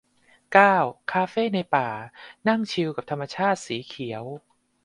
เก้า คาเฟ่ในป่า นั่งชิลกับธรรมชาติสีเขียว